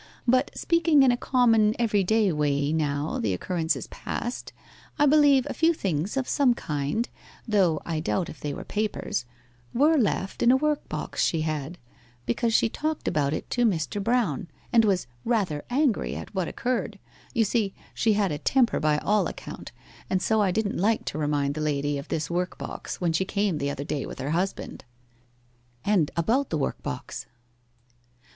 But speaking in a common everyday way now the occurrence is past, I believe a few things of some kind (though I doubt if they were papers) were left in a workbox she had, because she talked about it to Mr. Brown, and was rather angry at what occurred you see, she had a temper by all account, and so I didn't like to remind the lady of this workbox when she came the other day with her husband.' 'And about the workbox?